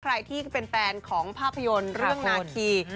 ใครที่เป็นแฟนของภาพยนตร์เรื่องนาคี